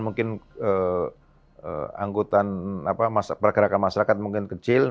mungkin angkutan pergerakan masyarakat mungkin kecil